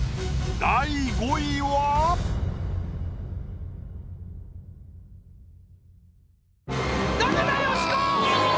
第５位は⁉中田喜子！